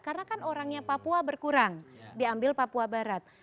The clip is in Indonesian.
karena kan orangnya papua berkurang diambil papua barat